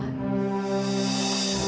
aku akan berhubung dengan fadil